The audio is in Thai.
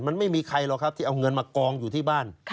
มันไม่มีใครหรอกครับที่เอาเงินมากองอยู่ที่บ้าน